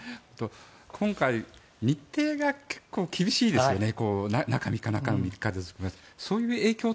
今回、日程が結構厳しいですよね。